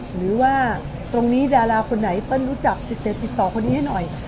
หรือว่าตรงนี้ดาราคนไหนเปิ้ลรู้จักติดต่อคนนี้ให้หน่อย